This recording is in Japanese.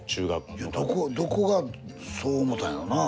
いやどこがそう思たんやろなぁ。